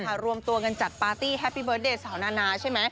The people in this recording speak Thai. หารวมตัวเงินจัดปาร์ตี้แฮปปี้เบิร์สเดตสาวนาใช่ไหม